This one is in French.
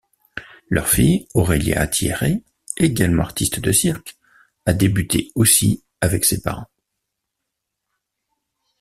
Leur fille Aurélia Thierrée, également artiste de cirque, a débuté aussi avec ses parents.